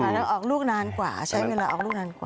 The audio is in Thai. แล้วออกลูกนานกว่าใช้เวลาออกลูกนานกว่า